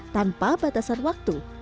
tanpa batasan waktu